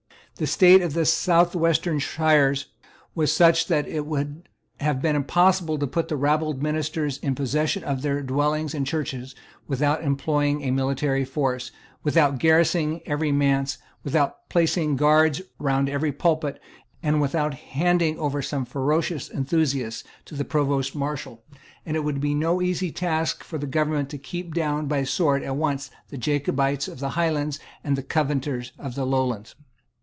The state of the southwestern shires was such that it would have been impossible to put the rabbled minister in possession of their dwellings and churches without employing a military force, without garrisoning every manse, without placing guards round every pulpit, and without handing over some ferocious enthusiasts to the Provost Marshal; and it would be no easy task for the government to keep down by the sword at once the Jacobites of the Highlands and the Covenanters of the Lowlands.